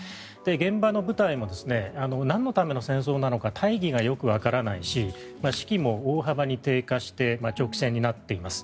現場の部隊もなんのための戦争なのか大義がよくわからないし士気も大幅に低下して長期戦になっています。